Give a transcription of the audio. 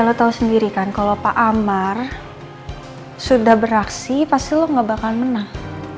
lo tahu sendiri kan kalau pak amar sudah beraksi pasti lo gak bakal menang